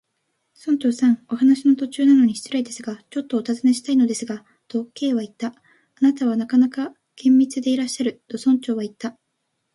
「村長さん、お話の途中なのに失礼ですが、ちょっとおたずねしたいのですが」と、Ｋ はいった。「あなたはなかなか厳密でいらっしゃる」と、村長はいった。